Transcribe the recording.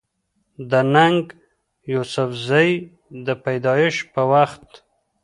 د ننګ يوسفزۍ د پېدايش پۀ وخت